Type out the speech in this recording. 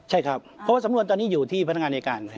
ใช่ครับเพราะว่าสำนวนตอนนี้อยู่ที่พนักงานในการ